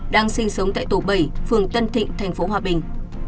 đang sinh sống tại tổ bảy phường tân thịnh tp hòa bình